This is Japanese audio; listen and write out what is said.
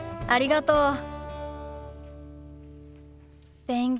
ありがとう。